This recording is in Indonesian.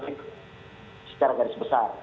secara garis besar